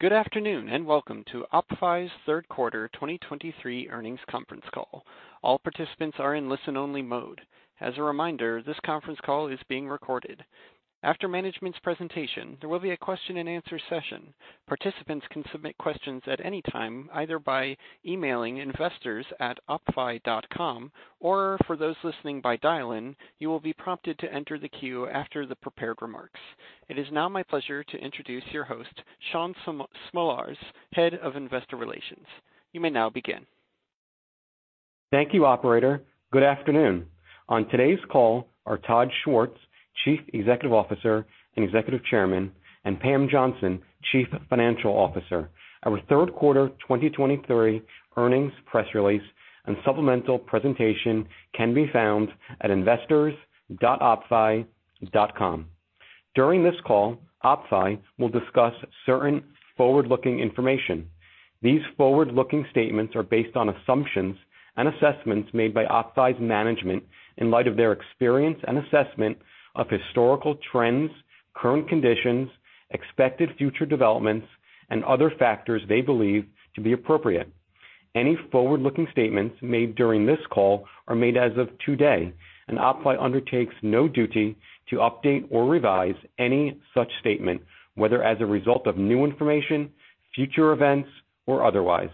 Good afternoon, and welcome to OppFi's Q3 2023 Earnings Conference Call. All participants are in listen-only mode. As a reminder, this conference call is being recorded. After management's presentation, there will be a question-and-answer session. Participants can submit questions at any time, either by emailing investors@oppfi.com, or for those listening by dial-in, you will be prompted to enter the queue after the prepared remarks. It is now my pleasure to introduce your host, Shaun Smolarz, Head of Investor Relations. You may now begin. Thank you, operator. Good afternoon. On today's call are Todd Schwartz, Chief Executive Officer and Executive Chairman, and Pam Johnson, Chief Financial Officer. Our Q3 2023 earnings press release and supplemental presentation can be found at investors.oppfi.com. During this call, OppFi will discuss certain forward-looking information. These forward-looking statements are based on assumptions and assessments made by OppFi's management in light of their experience and assessment of historical trends, current conditions, expected future developments, and other factors they believe to be appropriate. Any forward-looking statements made during this call are made as of today, and OppFi undertakes no duty to update or revise any such statement, whether as a result of new information, future events, or otherwise.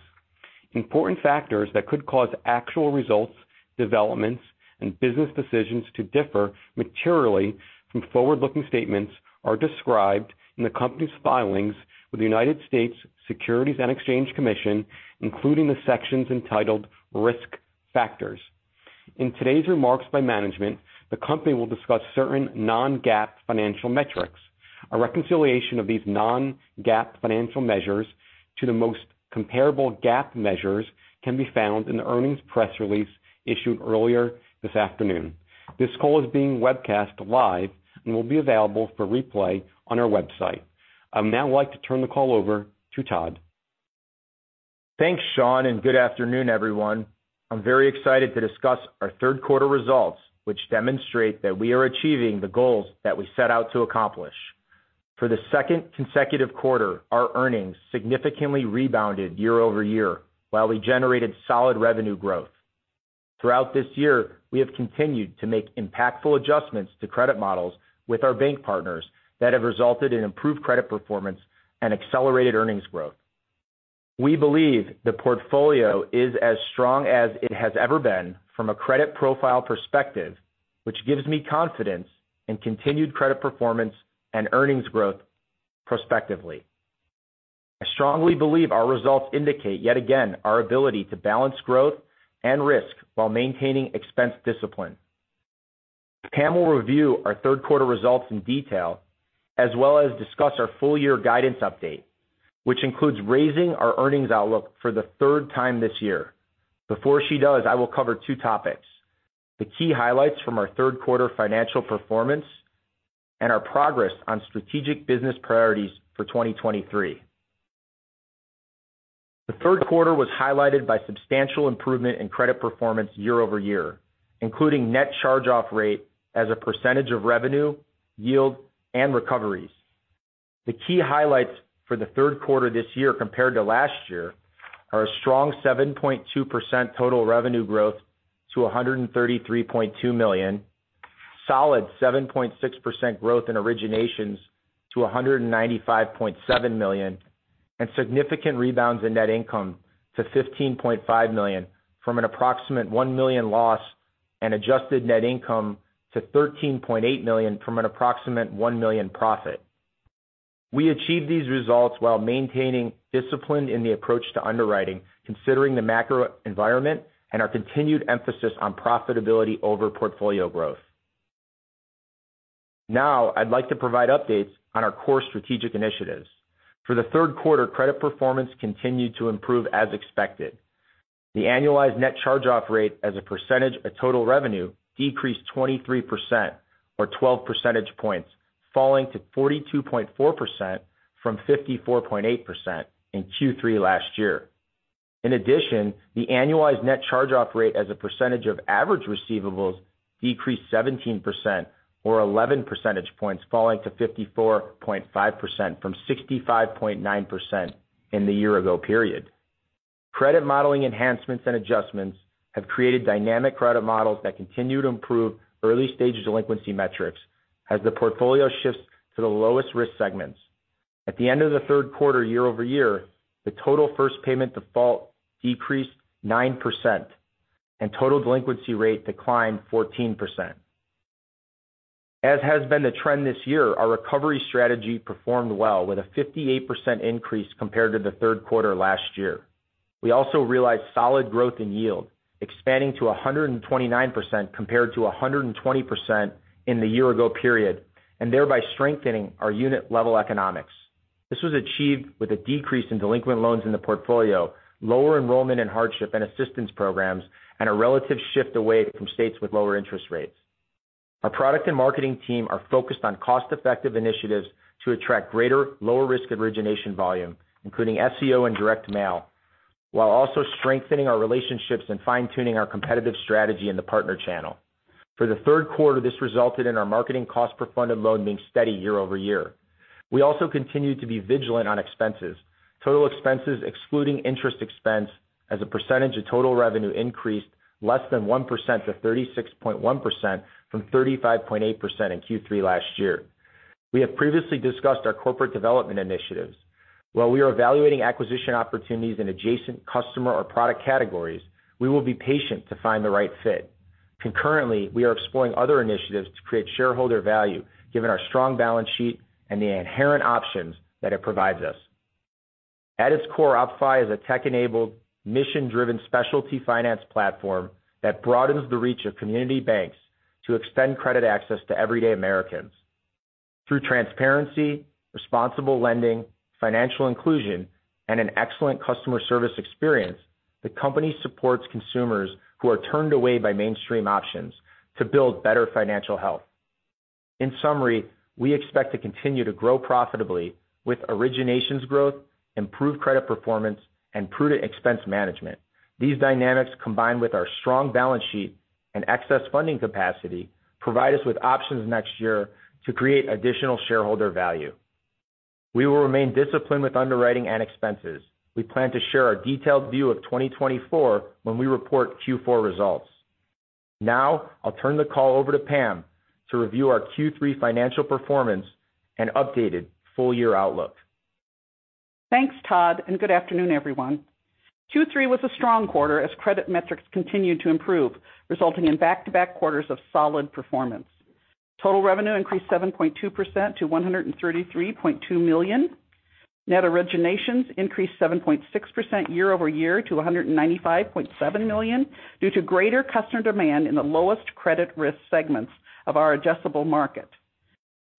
Important factors that could cause actual results, developments, and business decisions to differ materially from forward-looking statements are described in the company's filings with the United States Securities and Exchange Commission, including the sections entitled Risk Factors. In today's remarks by management, the company will discuss certain non-GAAP financial metrics. A reconciliation of these non-GAAP financial measures to the most comparable GAAP measures can be found in the earnings press release issued earlier this afternoon. This call is being webcast live and will be available for replay on our website. I'd now like to turn the call over to Todd. Thanks, Shaun, and good afternoon, everyone. I'm very excited to discuss our Q3 results, which demonstrate that we are achieving the goals that we set out to accomplish. For the second consecutive quarter, our earnings significantly rebounded year-over-year, while we generated solid revenue growth. Throughout this year, we have continued to make impactful adjustments to credit models with our bank partners that have resulted in improved credit performance and accelerated earnings growth. We believe the portfolio is as strong as it has ever been from a credit profile perspective, which gives me confidence in continued credit performance and earnings growth prospectively. I strongly believe our results indicate, yet again, our ability to balance growth and risk while maintaining expense discipline. Pam will review our Q3 results in detail, as well as discuss our full-year guidance update, which includes raising our earnings outlook for the third time this year. Before she does, I will cover two topics: the key highlights from our Q3 financial performance and our progress on strategic business priorities for 2023. The Q3 was highlighted by substantial improvement in credit performance year-over-year, including net charge-off rate as a percentage of revenue, yield, and recoveries. The key highlights for the Q3 this year compared to last year are a strong 7.2% total revenue growth to $133.2 solid 7.6% growth in originations to 195.7 million, and significant rebounds in net income to $15.5 from an approximate 1 million loss, and adjusted net income to $13.8 from an approximate 1 million profit. We achieved these results while maintaining discipline in the approach to underwriting, considering the macro environment and our continued emphasis on profitability over portfolio growth. Now, I'd like to provide updates on our core strategic initiatives. For the Q3, credit performance continued to improve as expected. The annualized net charge-off rate as a percentage of total revenue decreased 23% or 12 percentage points, falling to 42.4% from 54.8% in Q3 last year. In addition, the annualized net charge-off rate as a percentage of average receivables decreased 17% or 11 percentage points, falling to 54.5% from 65.9% in the year-ago period. Credit modeling enhancements and adjustments have created dynamic credit models that continue to improve early-stage delinquency metrics as the portfolio shifts to the lowest-risk segments. At the end of the Q3, year over year, the total first payment default decreased 9%, and total delinquency rate declined 14%. As has been the trend this year, our recovery strategy performed well with a 58% increase compared to the Q3 last year. We also realized solid growth in yield, expanding to 129% compared to 120% in the year-ago period, and thereby strengthening our unit-level economics. This was achieved with a decrease in delinquent loans in the portfolio, lower enrollment and hardship and assistance programs, and a relative shift away from states with lower interest rates. Our product and marketing team are focused on cost-effective initiatives to attract greater lower-risk origination volume, including SEO and direct mail... while also strengthening our relationships and fine-tuning our competitive strategy in the partner channel. For the Q3, this resulted in our marketing cost per funded loan being steady year-over-year. We also continued to be vigilant on expenses. Total expenses, excluding interest expense as a percentage of total revenue, increased less than 1% to 36.1% from 35.8% in Q3 last year. We have previously discussed our corporate development initiatives. While we are evaluating acquisition opportunities in adjacent customer or product categories, we will be patient to find the right fit. Concurrently, we are exploring other initiatives to create shareholder value, given our strong balance sheet and the inherent options that it provides us. At its core, OppFi is a tech-enabled, mission-driven specialty finance platform that broadens the reach of community banks to extend credit access to everyday Americans. Through transparency, responsible lending, financial inclusion, and an excellent customer service experience, the company supports consumers who are turned away by mainstream options to build better financial health. In summary, we expect to continue to grow profitably with originations growth, improved credit performance, and prudent expense management. These dynamics, combined with our strong balance sheet and excess funding capacity, provide us with options next year to create additional shareholder value. We will remain disciplined with underwriting and expenses. We plan to share our detailed view of 2024 when we report Q4 results. Now, I'll turn the call over to Pam to review our Q3 financial performance and updated full-year outlook. Thanks, Todd, and good afternoon, everyone. Q3 was a strong quarter as credit metrics continued to improve, resulting in back-to-back quarters of solid performance. Total revenue increased 7.2% to $133.2 million. Net originations increased 7.6% year over year to $195.7 million due to greater customer demand in the lowest credit risk segments of our addressable market.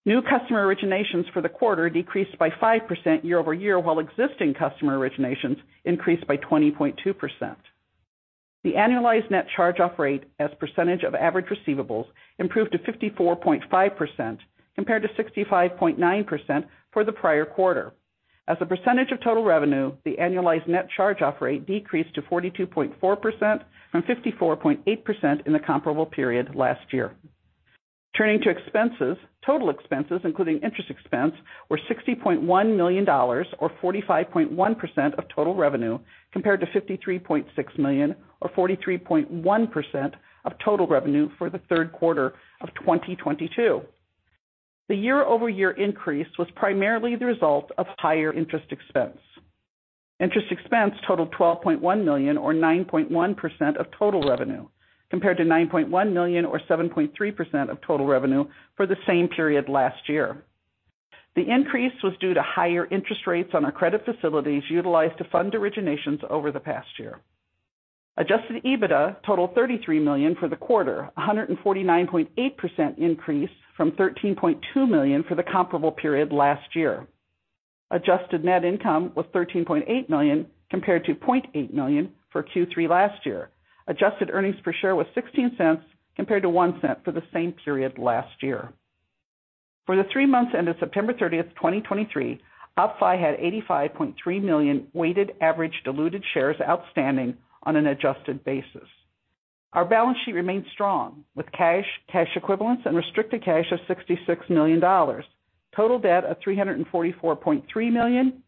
New customer originations for the quarter decreased by 5% year over year, while existing customer originations increased by 20.2%. The annualized net charge-off rate as percentage of average receivables improved to 54.5% compared to 65.9% for the prior quarter. As a percentage of total revenue, the annualized net charge-off rate decreased to 42.4% from 54.8% in the comparable period last year. Turning to expenses. Total expenses, including interest expense, were $60.1 or 45.1% of total revenue, compared to 53.6 million, or 43.1% of total revenue for the Q3 of 2022. The year-over-year increase was primarily the result of higher interest expense. Interest expense totaled $12.1 or 9.1% of total revenue, compared to 9.1 million, or 7.3% of total revenue for the same period last year. The increase was due to higher interest rates on our credit facilities utilized to fund originations over the past year. Adjusted EBITDA totaled $33 for the quarter, a 149.8% increase from 13.2 million for the comparable period last year. Adjusted net income was $13.8 compared to 0.8 million for Q3 last year. Adjusted earnings per share was $0.16 compared to 0.01 for the same period last year. For the three months ended September 30, 2023, OppFi had 85.3 million weighted average diluted shares outstanding on an adjusted basis. Our balance sheet remains strong, with cash, cash equivalents and restricted cash of $66 million. Total debt of $344.3 million,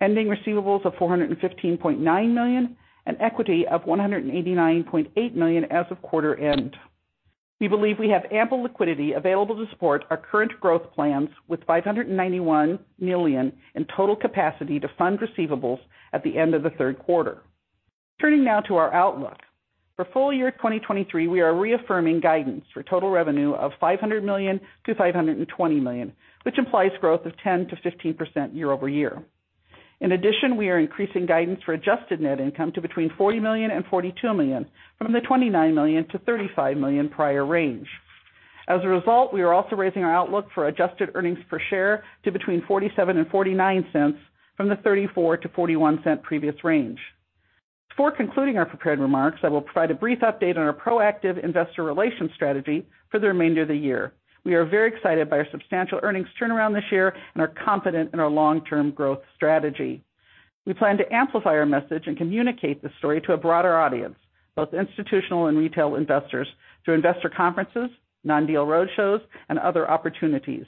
ending receivables of $415.9 million, and equity of $189.8 million as of quarter end. We believe we have ample liquidity available to support our current growth plans, with $591 million in total capacity to fund receivables at the end of the Q3. Turning now to our outlook. For full year 2023, we are reaffirming guidance for total revenue of $500-520 million, which implies growth of 10%-15% year-over-year. In addition, we are increasing guidance for adjusted net income to between $40 and 42 million, from the $29-35 million prior range. As a result, we are also raising our outlook for adjusted earnings per share to between $0.47 and 0.49 from the $0.34-0.41 previous range. Before concluding our prepared remarks, I will provide a brief update on our proactive investor relations strategy for the remainder of the year. We are very excited by our substantial earnings turnaround this year and are confident in our long-term growth strategy. We plan to amplify our message and communicate this story to a broader audience, both institutional and retail investors, through investor conferences, non-deal roadshows, and other opportunities.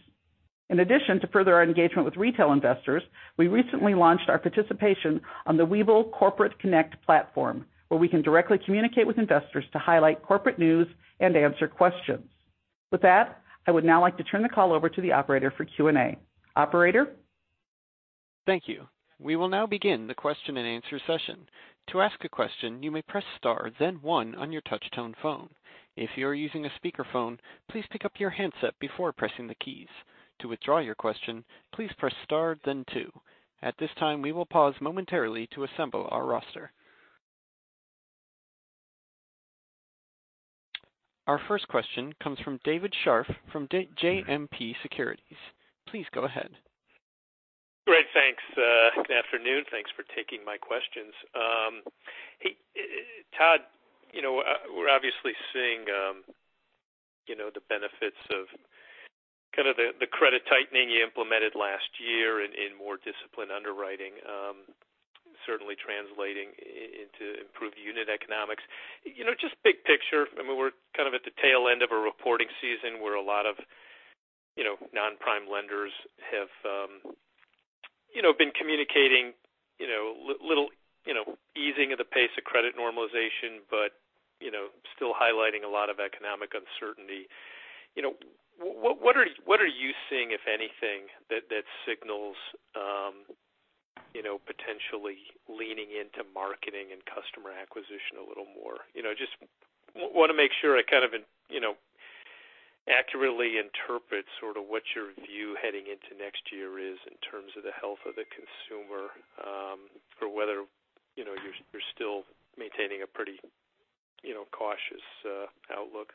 In addition, to further our engagement with retail investors, we recently launched our participation on the Webull Corporate Connect platform, where we can directly communicate with investors to highlight corporate news and answer questions. With that, I would now like to turn the call over to the operator for Q&A. Operator? Thank you. We will now begin the question-and-answer session. To ask a question, you may press star, then one on your touchtone phone. If you are using a speakerphone, please pick up your handset before pressing the keys. To withdraw your question, please press star then two. At this time, we will pause momentarily to assemble our roster. Our first question comes from David Scharf from JMP Securities. Please go ahead. Great, thanks. Good afternoon. Thanks for taking my questions. Hey, Todd, you know, we're obviously seeing, you know, the benefits of kind of the credit tightening you implemented last year and more disciplined underwriting, certainly translating into improved unit economics. You know, just big picture, I mean, we're kind of at the tail end of a reporting season where a lot of, you know, non-prime lenders have, you know, been communicating, you know, little, you know, easing of the pace of credit normalization, but, you know, still highlighting a lot of economic uncertainty. You know, what are you seeing, if anything, that signals, you know, potentially leaning into marketing and customer acquisition a little more? You know, just want to make sure I kind of, you know, accurately interpret sort of what your view heading into next year is in terms of the health of the consumer, or whether, you know, you're still maintaining a pretty, you know, cautious outlook.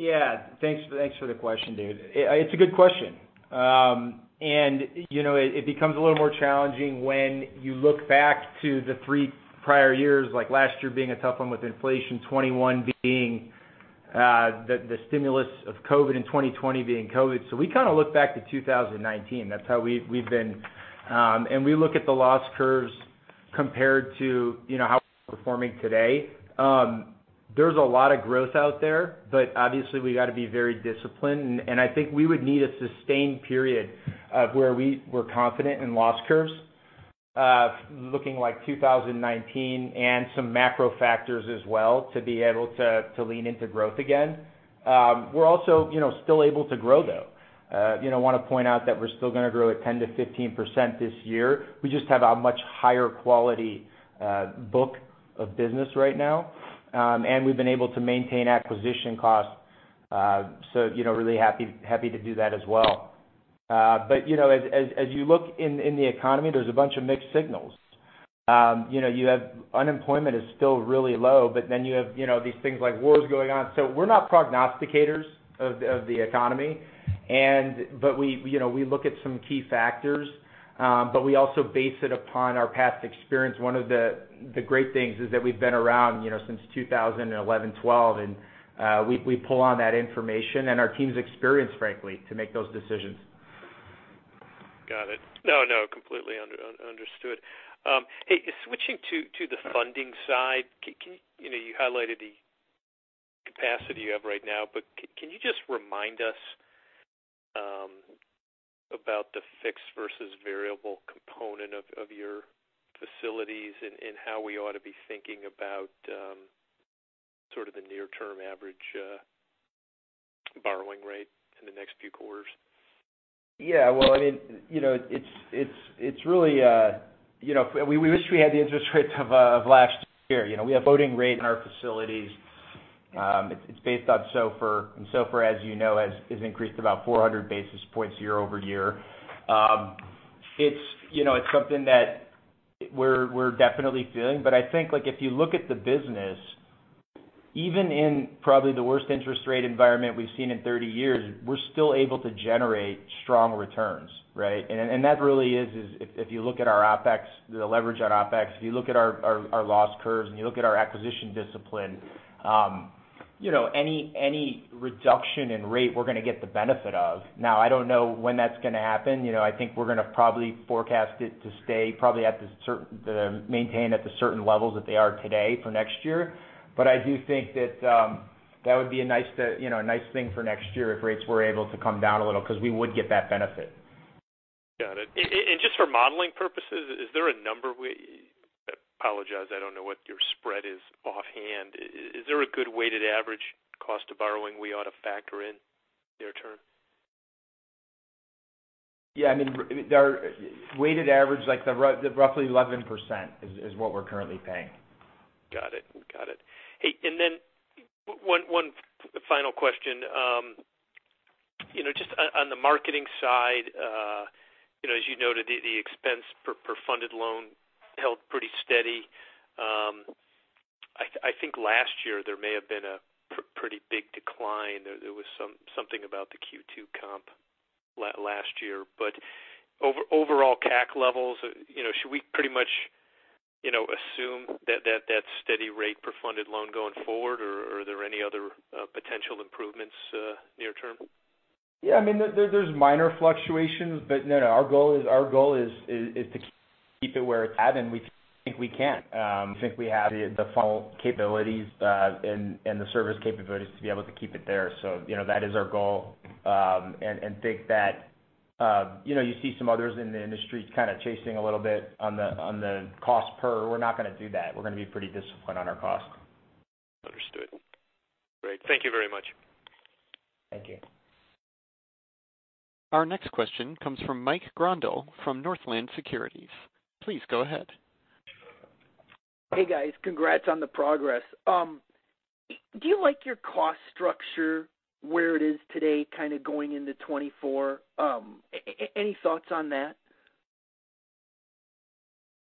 Yeah. Thanks, thanks for the question, Dave. It, it's a good question. And, you know, it, it becomes a little more challenging when you look back to the three prior years, like last year being a tough one with inflation, 2021 being, the, the stimulus of COVID, and 2020 being COVID. So we kind of look back to 2019. That's how we've, we've been. And we look at the loss curves compared to, you know, how we're performing today. There's a lot of growth out there, but obviously, we've got to be very disciplined. And I think we would need a sustained period of where we were confident in loss curves, looking like 2019, and some macro factors as well, to be able to, to lean into growth again. We're also, you know, still able to grow, though. You know, I want to point out that we're still gonna grow at 10%-15% this year. We just have a much higher quality book of business right now, and we've been able to maintain acquisition costs. So, you know, really happy, happy to do that as well. But, you know, as you look in the economy, there's a bunch of mixed signals. You know, you have unemployment is still really low, but then you have, you know, these things like wars going on. So we're not prognosticators of the economy, and but we, you know, we look at some key factors, but we also base it upon our past experience. One of the great things is that we've been around, you know, since 2011, 2012, and we pull on that information and our team's experience, frankly, to make those decisions. Got it. No, no, completely understood. Hey, switching to the funding side, can you just remind us about the fixed versus variable component of your facilities and how we ought to be thinking about sort of the near-term average borrowing rate in the next few quarters? Yeah. Well, I mean, you know, it's really, you know, we wish we had the interest rates of last year. You know, we have floating rate in our facilities. It's based on SOFR, and SOFR, as you know, has increased about 400 basis points year-over-year. It's something that we're definitely feeling. But I think, like, if you look at the business, even in probably the worst interest rate environment we've seen in 30 years, we're still able to generate strong returns, right? And that really is if you look at our OpEx, the leverage on OpEx, if you look at our loss curves and you look at our acquisition discipline, you know, any reduction in rate, we're gonna get the benefit of. Now, I don't know when that's gonna happen. You know, I think we're gonna probably forecast it to stay probably maintain at the certain levels that they are today for next year. But I do think that that would be a nice, you know, a nice thing for next year if rates were able to come down a little, because we would get that benefit. Got it. And just for modeling purposes, is there a number? I apologize, I don't know what your spread is offhand. Is there a good weighted average cost of borrowing we ought to factor in near-term? Yeah, I mean, our weighted average, like, the roughly 11% is, is what we're currently paying. Got it. Got it. Hey, and then one final question. You know, just on the marketing side, you know, as you noted, the expense per funded loan held pretty steady. I think last year there may have been a pretty big decline. There was something about the Q2 comp last year. But overall CAC levels, you know, should we pretty much, you know, assume that steady rate per funded loan going forward, or are there any other potential improvements near term? Yeah, I mean, there, there's minor fluctuations, but no, no, our goal is to keep it where it's at, and we think we can. I think we have the funnel capabilities and the service capabilities to be able to keep it there. So, you know, that is our goal. And think that, you know, you see some others in the industry kind of chasing a little bit on the cost per... We're not gonna do that. We're gonna be pretty disciplined on our cost. Understood. Great. Thank you very much. Thank you. Our next question comes from Mike Grondahl from Northland Securities. Please go ahead. Hey, guys. Congrats on the progress. Do you like your cost structure where it is today, kind of going into 2024? Any thoughts on that?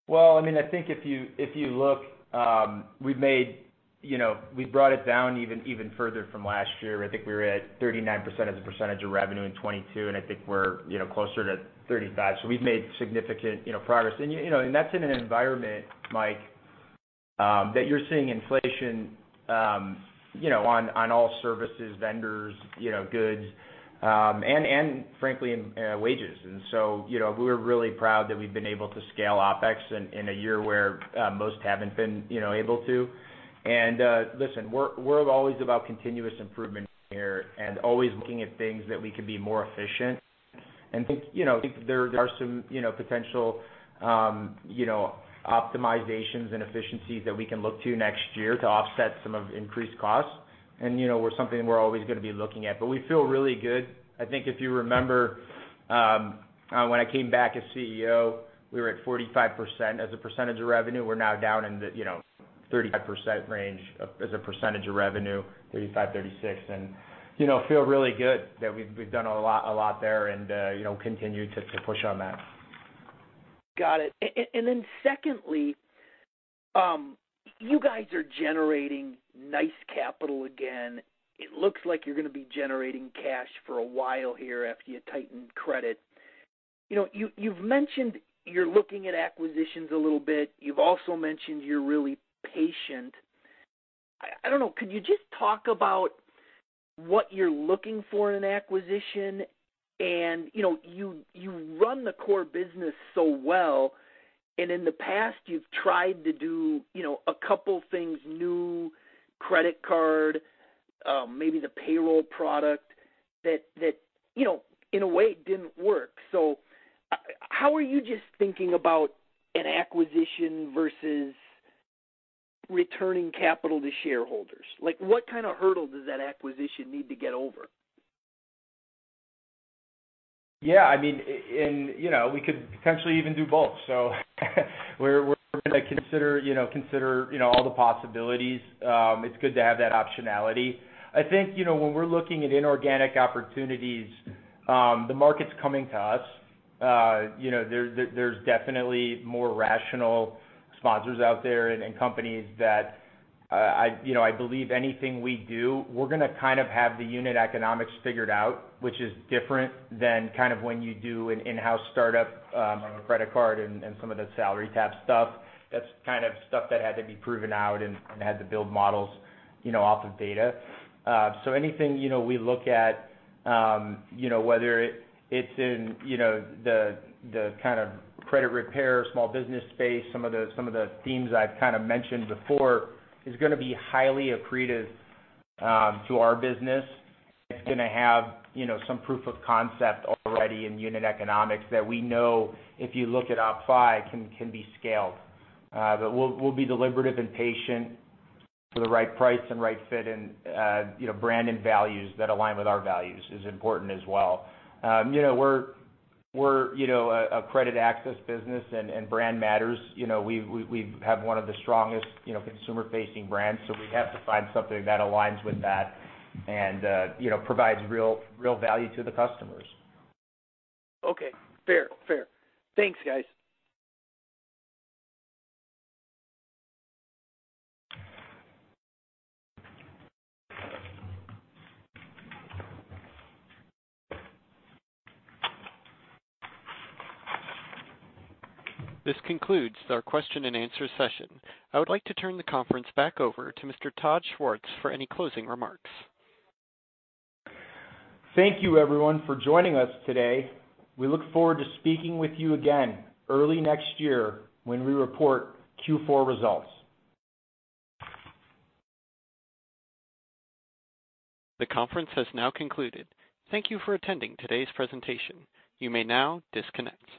Well, I mean, I think if you, if you look, we've made... You know, we brought it down even, even further from last year. I think we were at 39% as a percentage of revenue in 2022, and I think we're, you know, closer to 35%. So we've made significant, you know, progress. And, you know, and that's in an environment that you're seeing inflation, you know, on, on all services, vendors, you know, goods, and, and frankly, in wages. And so, you know, we're really proud that we've been able to scale OpEx in a year where most haven't been, you know, able to. And, listen, we're, we're always about continuous improvement here and always looking at things that we could be more efficient. And think, you know, think there, there are some, you know, potential optimizations and efficiencies that we can look to next year to offset some of increased costs. And, you know, we're something we're always gonna be looking at, but we feel really good. I think if you remember, when I came back as CEO, we were at 45%. As a percentage of revenue, we're now down in the, you know, 35% range of, as a percentage of revenue, 35%, 36%. And, you know, feel really good that we've, we've done a lot, a lot there and, you know, continue to, to push on that. Got it. And then secondly, you guys are generating nice capital again. It looks like you're gonna be generating cash for a while here after you tightened credit. You know, you've mentioned you're looking at acquisitions a little bit. You've also mentioned you're really patient. I, I don't know, could you just talk about what you're looking for in an acquisition? And, you know, you run the core business so well, and in the past, you've tried to do, you know, a couple things, new credit card, maybe the payroll product, that, you know, in a way, didn't work. So how are you just thinking about an acquisition versus returning capital to shareholders? Like, what kind of hurdle does that acquisition need to get over? Yeah, I mean, and, you know, we could potentially even do both. So we're gonna consider, you know, all the possibilities. It's good to have that optionality. I think, you know, when we're looking at inorganic opportunities, the market's coming to us. You know, there's definitely more rational sponsors out there and companies that, I... You know, I believe anything we do, we're gonna kind of have the unit economics figured out, which is different than kind of when you do an in-house startup, credit card and some of the SalaryTap stuff. That's kind of stuff that had to be proven out and had to build models, you know, off of data. So anything, you know, we look at, you know, whether it's in, you know, the, the kind of credit repair, small business space, some of the, some of the themes I've kind of mentioned before, is gonna be highly accretive, to our business. It's gonna have, you know, some proof of concept already in unit economics that we know if you look at OppFi, can be scaled. But we'll, we'll be deliberative and patient for the right price and right fit and, you know, brand and values that align with our values is important as well. You know, we're, we're, you know, a, a credit access business and, and brand matters. You know, we have one of the strongest, you know, consumer-facing brands, so we have to find something that aligns with that and, you know, provides real, real value to the customers. Okay. Fair. Fair. Thanks, guys. This concludes our question and answer session. I would like to turn the conference back over to Mr. Todd Schwartz for any closing remarks. Thank you, everyone, for joining us today. We look forward to speaking with you again early next year when we report Q4 results. The conference has now concluded. Thank you for attending today's presentation. You may now disconnect.